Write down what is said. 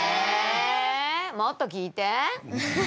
もっと聞いて！